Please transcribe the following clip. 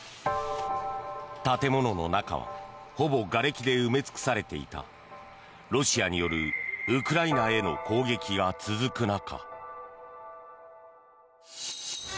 建物の中は、ほぼがれきで埋め尽くされていたロシアによるウクライナへの攻撃が続く中。